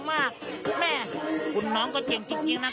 มีมีน้องเคยดูมีหรือเปล่า